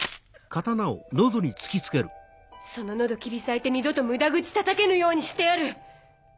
その喉切り裂いて二度と無駄口叩けぬようにしてやる！